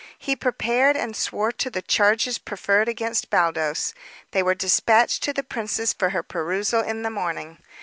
He prepared and swore to the charges preferred against Baldos. They were despatched to the princess for her perusal in the morning.